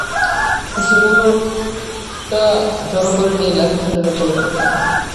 তো সেগুলোটা জড়ো করে নিয়ে লাকি শটের ওখানে ফেললাম।